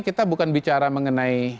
kita bukan bicara mengenai